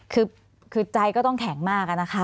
คือใจก็ต้องแข็งมากอะนะคะ